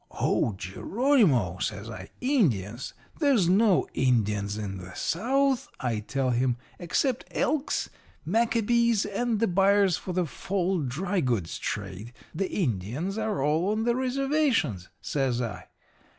"'Oh, Geronimo!' says I. 'Indians! There's no Indians in the South,' I tell him, 'except Elks, Maccabees, and the buyers for the fall dry goods trade. The Indians are all on the reservations,' says I.